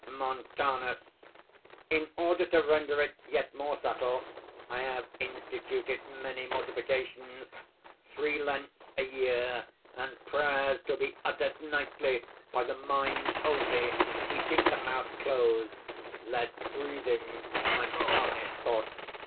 MONTANUS. "In order to render it yet more subtle, I have instituted many mortifications, three Lents a year, and prayers to be uttered nightly by the mind only, keeping the mouth closed, lest breathing might tarnish thought.